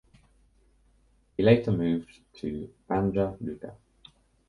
He later moved to Banja Luka.